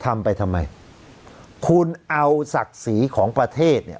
ทำไปทำไมคุณเอาศักดิ์ศรีของประเทศเนี่ย